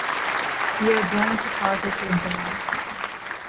We are going to Possets in July.